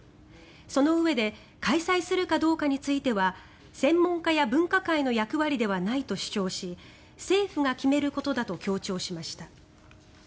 そのうえで開催するかどうかについては専門家や分科会の役割ではないと主張し政府が決めることだと強調しました。